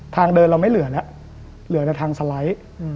ทางเดินเราไม่เหลือแล้วเหลือแต่ทางสไลด์